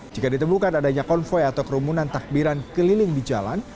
jika ditemukan adanya konvoy atau kerumunan takbiran keliling di jalan